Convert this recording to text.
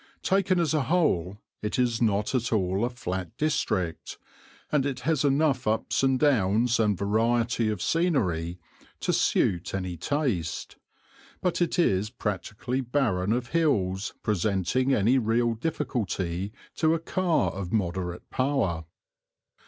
Taken as a whole it is not at all a flat district, and it has enough ups and downs and variety of scenery to suit any taste, but it is practically barren of hills presenting any real difficulty to a car of moderate power.